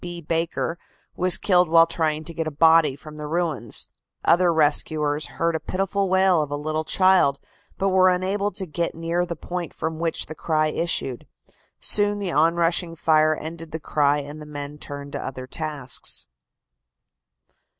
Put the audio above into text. B. Baker was killed while trying to get a body from the ruins. Other rescuers heard the pitiful wail of a little child, but were unable to get near the point from which the cry issued. Soon the onrushing fire ended the cry and the men turned to other tasks."